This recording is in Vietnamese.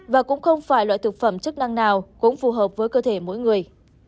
và cũng không phải loại thực phẩm chức năng nào cũng phù hợp với cơ thể mỗi người